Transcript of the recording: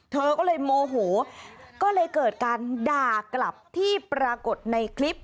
เธอก็เลยโมโหก็เลยเกิดการด่ากลับที่ปรากฏในคลิป